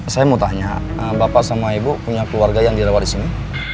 saya mau tanya bapak sama ibu punya keluarga yang direwat disini